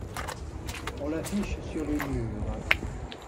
On l'affiche sur les murs.